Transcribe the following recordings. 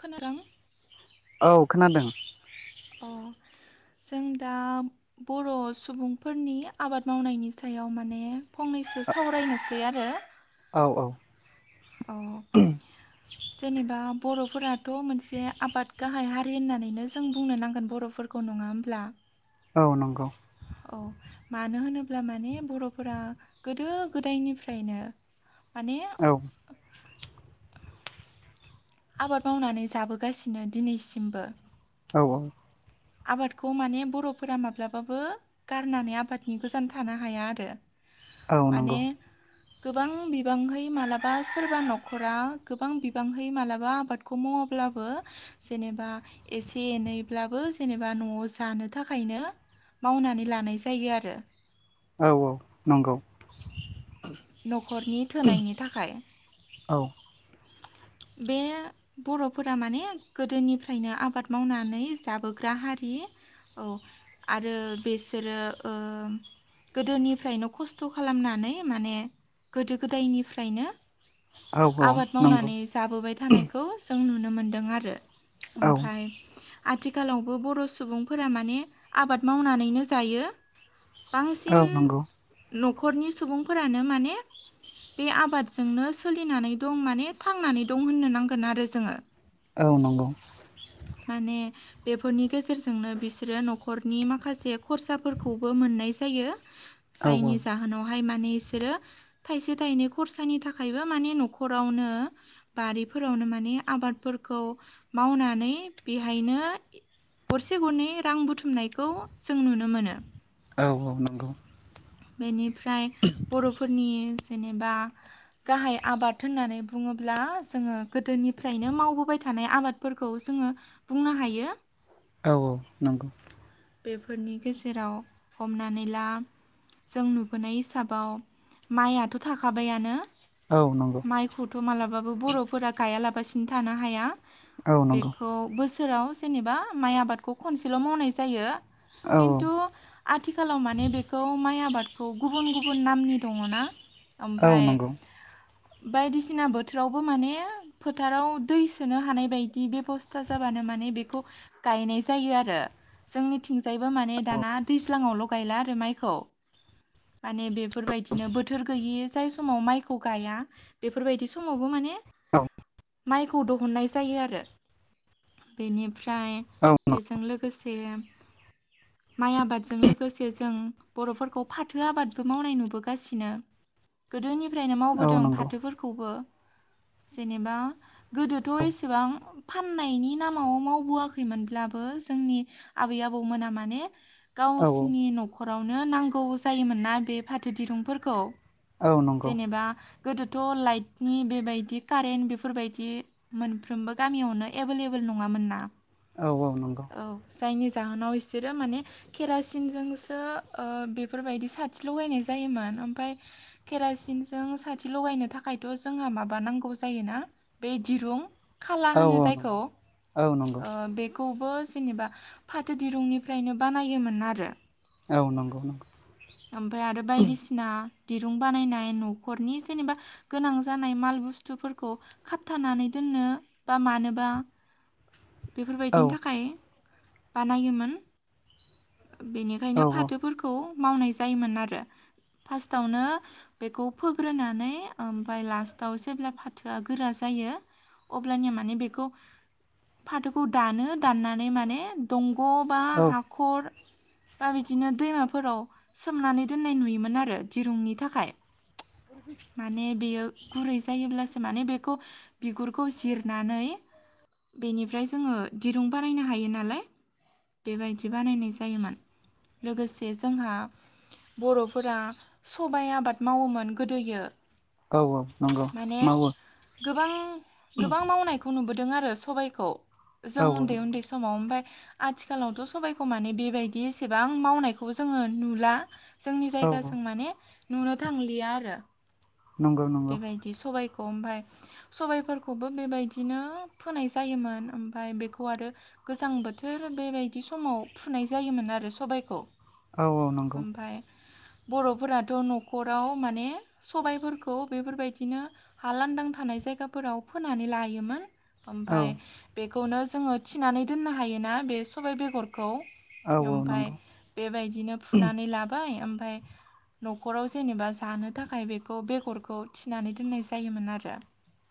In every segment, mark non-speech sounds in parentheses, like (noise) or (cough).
खोनादों? औ खोनादों। अ जों दा बर' सुबुंफोरनि आबाद मावनायनि सायाव माने फंनै। सो सावरायनोसै आरो औ औ। जेनेबा बर' बर'फोराथ' मोनसे आबाद गाहाय हारि होननानैनो जों बुंनो नांगोन बर'फोरखौ नङा होमब्ला। औ नंगौ। औ मानो होनोब्ला माने बर'फोरा गोदो गोदायनिफ्रायनो माने। औ आबाद मावनानै जाबोगासिनो दिनैसिमबो। औ औ। आबादखौ माने बर'फोरा माब्लाबाबो गारनानै आबादनि गोजान थानो हाया आरो। औ नंगौ। माने गोबां बिबांहै मालाबा सोरबा न'खरा गोबां बिबांहै मालाबा आबादखौ मावाब्ला। ब्लाबो जेनेबा एसे एनै ब्लाबो। जेनेबा न'आव जानो थाखायनो मावनानै लानाय जायो आरो। औ औ नंगौ। न'खरनि थोनायनि थाखाय। औ बे बर'फोरा माने गोदोनिफ्रायनो आबाद मावनानै जाबोग्रा हारि थि औ आरो बेसोरो ओ। गोदोनिफ्रायनो खस्थ' खालामनानै माने गोदो गोदायनिफ्रायनो। औ औ आबाद नंगौ। मावनानै जाबोबाय थानायखौ जों नुनो मोनदों आरो औ ओमफ्राय आथिखालावबो बर' सुबुंफोरा माने आबाद मावनानैनो जायो औ बांसिन नंगौ न'खरनि सुबुंफोरानो माने बे आबादजोंनो सोलिनानै दं माने थांनानै दं होननो नांगोन आरो जोङो औ नंगौ माने बेफोरनि गेजेरजोंनो बिसोरो न'खरनि माखासे खरसाफोरखौबो मोननाय जायो औ जायनि जाहोनावहाय मा नि इसोरो थाइसे थाइनै खरसानि थाखायबो माने न'खरावनो बारिफोरावनो माने आबादफोरखौ मावनानै बेहायनो गरसे गरनै रां बुथुमनायखौ जों नुनो मोनो। औ औ नंगौ बेनिफ्राय बर'फोरनि जेनेबा गाहाय आबाद होननानै बुङोब्ला जोङो गोदोनिफ्रायनो मावबोबाय था नाय आबादफोरखौ जोङो बुंनो हायो। औ औ नंगौ। बेफोरनि गेजेराव हमनानै ला जों नुबोनाय हिसाबाव माइयाथ' थाखाबायानो औ नंगौ औ माइखौथ' मालाबाबो बर'फोरा गायालाबासिनो थानो हाया। औ नंगौ बेखौ बोसोराव जेनेबा माइ आबादखौ खनसेल' मावनाय जायो। औ खिन्थु आथिखालाव माने बेखौ माइ आबादखौ गुबुन गुब गुबुन नामनि दङ' ना औ नंगौ औ ओमफाय नंगौ बायदिसिना बोथोरावबो माने फोथाराव दै सोनो हानाय बायदि बेबस्था जाबानो माने बेखौ गायनाय जायो आरो। जोंनिथिंजायबो माने दाना दैज्लाङावल' गायला आरो माइखौ माने बेफोर बायदिनो बोथोर गैयि जाय समाव माइखौ गाया बेफोर बायदि समावबो माने माइखौ दहुननाय जायो आरो। बेनिफ्राय औ बेजों लोगोसे माइ आबादजों लोगोसे जों बर'फोरखौ फाथो आबादबो मावनाय नुबोगासिनो। गोदोनि फ्रायनो मावबोदों नंगौ फाथोफोरखौबो जेनेबा गोदोथ' एसेबां फाननायनि नामाव मावबोआखैमोनब्लाबो जोंनि आबै आबौमोना माने औ औ गावसिनि न'खरावनो नांगौ जायोमोन ना बे फाथो दिरुंफोरखौ नंगौ जेनेबा गोदोथ' लाइटनि बेबायदि कारेन्ट बेफोर बायदि मोनफ्रोमबो गामियावनो एभेलेबोल नङामोन ना औ औ नंगौ जाहोनाव इसोरो माने केरासिनजोंसो ओ बेफोर बायदि साथि लगायनाय जायोमोन। ओमफाय केरासिनजों साथि लगायनो थाखायथ' जोंहा माबा नांगौ जायोना बे दिरुं खाला होनो नंगौ जायखौ औ ओ नंगौ बे खौबो जेनेबा फाथो दिरुंनिफ्रायनो बानायोमोन आरो। औ नंगौ नंगौ। ओमफ्राय आरो बायदिसिना दिरुं बानायनाय न'खरनि जेनेबा गोनां जानाय माल बुस्थुफोरखौ खाबथानानै दोन ननो बा मानोबा बेफोर बायदिनि औ थाखाय बानायोमोन बेनिखायनो फाथोफोरखौ मावनाय जायोमोन आरो। फार्स्टआवनो बेखौ फोग्रोनानै ओमफाय लास्टआव जेब्ला फाथोआ गोरा जायो जायो अब्लानिया बेखौ माने फाथोखौ दानो दाननानै माने दंग' बा औ औ हाखर बा बिदिनो दैमाफोराव सोमनानै दोननाय नुयोमोन आरो दिरुंनि थाखाय। माने बेयो गुरै जायोब्लासो माने बेखौ बिगुरखौ जिरनानै बेनिफ्राय जोङो दिरुं बानायनो हायो नालाय बेबायदि बानायनाय जायोमोन। लोगोसे जोंहा बर'फोरा सबाय आबाद मावोमोन गोद दोयो औ नंगौ माने मावो गोबां मावनायखौ नुबो दों आरो सबायखौ औ जों उन्दै उन्दै समाव ओमफाय आथिखालावथ' सबायखौ माने बेबायदि एसेबां मावनायखौ जोङो नुला। जोंनि औ जायगाजों माने नुनो थांलिया आरो। नंगौ नंगौ बेबायदि सबाय ओमफाय सबायफोरखौबो बेबायदिनो फोनाय जायोमोन ओमफाय बेखौ आरो गोजां बोथोर बेबायदि समाव फुनाय जायोमोन आरो सबायखौ। औ औ नंगौ ओमफाय बर'फोराथ' न'खराव माने सबायफोरखौ बेफोरबायदिनो हा लांदां थानाय जायगाफोराव फोनानै लायोमोन। औ ओमफाय बेखौनो जोङो थिनानै दोननो हायोना बे सबाय बेगर खौ औ औ ओमफाय नंगौ बेबायदिनो फुनानै लाबाय ओमफाय न'खराव जेनेबा जानो थाखाय बेखौ बेगरखौ थिनानै दोननाय जायोमोन आरो।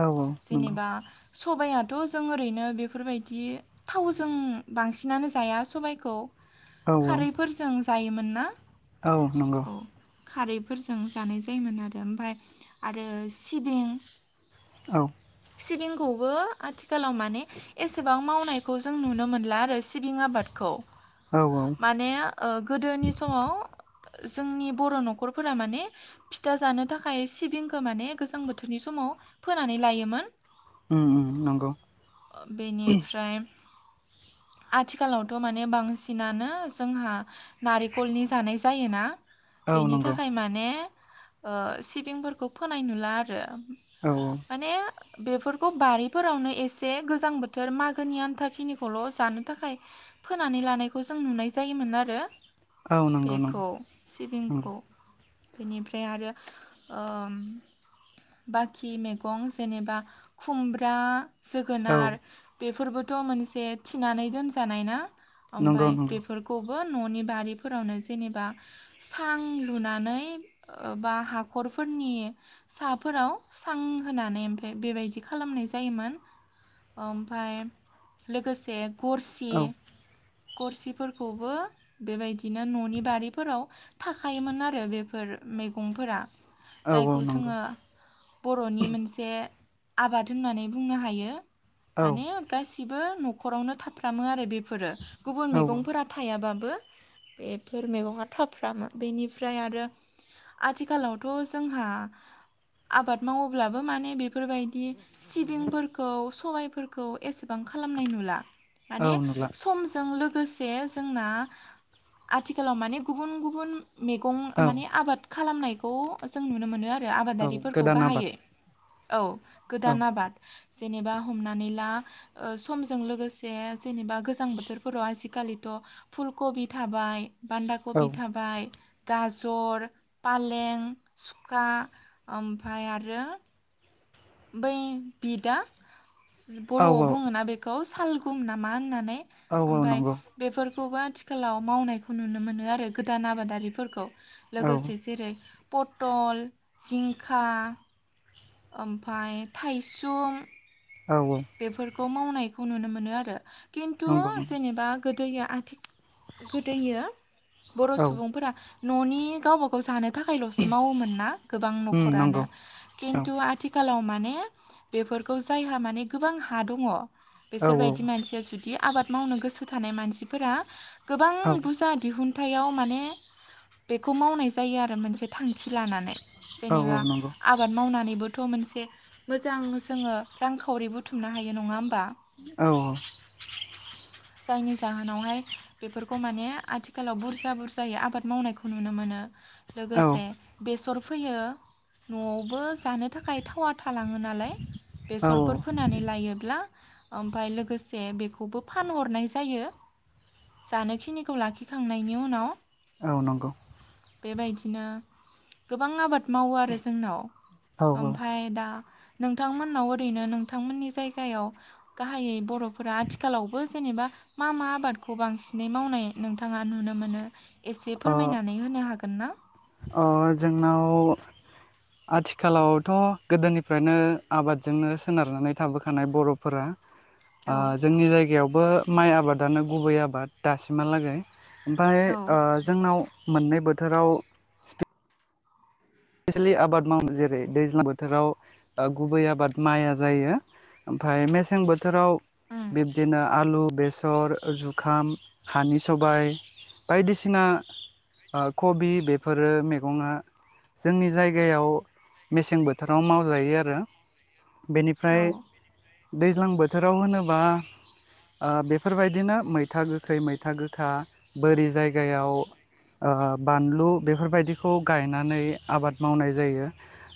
औ औ नंगौ जेनेबा सबाइया थ' जों ओरैनो बेफोरबायदि थावजों बांसिनानो जाया सबायखौ औ खारैफोरजों जायोमोन ना? औ नंगौ। औ खारैफोरजों जानाय जायोमोन आरो ओमफाय आरो सिबिं औ सिबिंखौबो आथिखालाव माने एसेबां मावनायखौ जों नुनो मोनला आरो सिबिं आबादखौ। औ औ माने ओ गोदोनि समाव जोंनि बर' न'खरफोरा माने फिथा जानो थाखाय सिबिंखौ माने गोजां बोथोरनि समाव फोनानै लायोमोन। उम उम नंगौ बेनिफ्राय आथिखालावथ' माने बांसिनानो जोंहा नारिखलनि जानाय जायोना। औ बेनि नंगौ थाखाय माने ओ सिबिंफोरखौ फोनाय नुला आरो। औ माने बेफोरखौ बारिफोरावनो एसे गोजां बोथोर मागोनि आन्थाखिनिखौल' जानो थाखाय फोनानै लानायखौ जों नुनाय जायोमोन आरो। औ नंगौ नंगौ बेखौ नंगौ सिबिंखौ। बेनिफ्राय आरो ओम बाखि मेगं जेनेबा खुमब्रा, औ जोगोनार बेफोरबो थ' मोनसे थिनानै दोनजानाय ना नंगौ ओमफाय नंगौ बेफोरखौ न'नि बारिफोरावनो जेनेबा सां लुनानै बा हाखर फोरनि साफोराव सां होनानै ओमफाय बेबायदि खालामनाय जायोमोन। ओमफाय लोगोसे गरसि औ गरसिफोरखौबो बेबायदिनो न'नि बारिफोराव थाखायोमोन आरो बेफोर मैगंफोरा औ जायखौ नंगौ जोङो बर'नि मोनसे आबाद होननानै बुंनो हायो औ माने गासि बो न'खरावनो थाफ्रामो आरो बेफोरो गुबुन औ मैगंफोरा थायाबाबो बेफोर मैगङा थाफ्रामो बेनिफ्राय आरो। आथिखालावथ' जोंहा आबाद मावोब्लाबो माने बेफोरबायदि सिबिंफोरखौ सबायफोरखौ एसेबां खालाम नाय नुला औ माने नुला समजों लो गोसे जोंना आथिखालाव माने गुबुन गुबुन मैगं औ माने आबाद खालामनायखौ जों नुनो मोनो आरो औ आबादारिफोर गोदान आबाद औ औ गोदान आबाद जेनेबा हमनानै ला ओ समजों लोगोसे जेनेबा गोजां बोथोरफोराव आजिखालिथ' फुल कबि थाबाय बान्दा औ कबि थाबाय गाजर पालें सुखा ओमफाय आरो बै बिदा औ बर'आव बुङोना बेखौ सालगुम नामा होननानै औ औ ओमफाय नंगौ बेफोरखौबो आथिखालाव मावनायखौ नुनो मोनो आरो गोदान आबादारिफोरखौ औ लोगोसे जेरै पथल जिंखा ओमफाय थाइसुम औ औ खौ मावनायखौ नुनो मोनो आरो खिन्थु नंगौ नंगौ जेनेबा गोदो आथि गोदोयो बर' औ सुबुंफोरा न'नि गावबा गाव जानो थाखायल'सो मावोमोन ना गोबां उम न'खरानो नंगौ औ खिन्थु आथिखालाव मा ने बेफोरखौ जायहा माने गोबां हा दङ औ बिसोरबायदि मानसिया जुदि आबाद मावनो गोसो थानाय मानसिफोरा गोबां औ बुरजा दिहुन थायाव माने बेखौ मावनाय जायो आरो मोनसे थांखि लानानै औ जेनेबा नंगौ आबाद मावनानैबोथ' मोनसे मोजां जोङो रांखावरिबो बुथुमनो हायो नङा होमबा औ (inaudible) जायनि जाहोनावहाय बेफोरखौ माने आथिखालाव बुरजा बुरजायै आबाद मावनायखौ नुनो मोनो औ लोगोसे बेसर फोयो न'वावबो जानो थाखाय थावा थालाङो नालाय औ बेसर फोनानै लायोब्ला ओमफाय लोगोसे बेखौबो फानहरनाय जायो जानोखिनिखौ लाखिखांनायनि उनाव औ नंगौ बेबायदिनो गोबां आबाद मावो आरो औ जोंनाव ओमफाय दा नोंथांमोननाव ओरैनो नों थांमोननि जायगायाव गाहायै बर'फोरा आथिखालावबो जेनेबा मा मा आबादखौ बां सिनै मावनाय नोंथाङा नुनो मोनो एसे फोरमायनानै होनो हागोन ना अह जोंनाव आथिखालावथ' गोदोनिफ्रायनो आबादजोंनो सोनारनानै थाबोखानाय बर'फोरा औ ओ जोंनि जायगायावबो माइ आबादानो गुबै आबाद दासिमहालागै ओमफाय औ ओ जोंनाव मोननै बोथोराव स्पेसेेलि आबाद मावो जेरै दैज्लां बोथोराव गुबै आबाद माइया जायो ओमफाय मेसें बोथोराव उम बिब्दिनो आलु बेसर जुखाम हानि सबाय बायदिसिना ओ कबि बेफोरो मेगङा जोंनि जायगायाव मेसें बोथोराव मावजायो आरो बेनिफ्राय औ दैज्लां बोथोराव होनोबा ओ बेफोरबायदिनो मैथा गोखै मैथा गोखा बोरि जायगायाव ओ बानलु बेफोरबायदिखौ गायनानै आबाद मावनाय जायो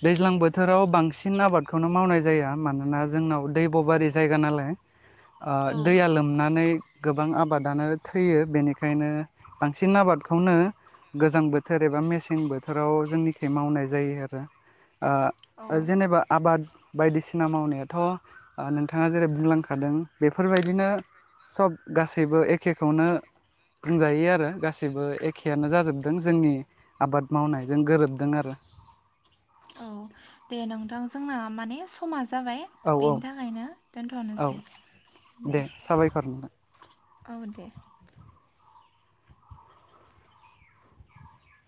दैज्लां बोथोराव बांसिन आबादखौनो मावनाय जाया मानोना जोंनाव दैब' बारि जायगा नालाय ओ औ दैया लोमनानै गोबां आबादानो थैयो बेनिखायनो बांसिन आबादखौनो गोजां बोथोर एबा मेसें बोथोराव जोंनि मावनाय जायो आरो औ ओ जेनेबा आबाद बायदिसिना मावनायाथ' नोंथाङा जेरै बुंलांखादों बेफोरबादिनो सब गासैबो एखेखौनो बुंजायो आरो गासिबो एखेयानो जाजोबदों जोंनि आबाद मावनायजों गोरोब दों आरो औ दे नोंथां जोंना माने समा जाबाय औ जाबाय औ बेनि थाखायनो औ दोनथ'नोसै दे साबायखर नोंथां औ दे